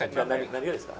何何がですか？